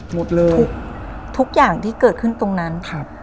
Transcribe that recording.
หมดเลยทุกอย่างที่เกิดขึ้นตรงนั้นครับ